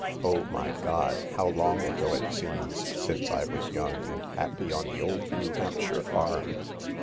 6 O, my God, how long ago it seems since I was young and happy on the old New Hampshire farm!